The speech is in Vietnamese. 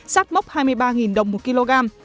sát mốc hai mươi ba đồng một kg